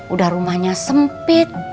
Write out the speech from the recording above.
udah rumahnya sempit